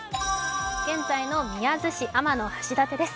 現在の宮津市、天橋立です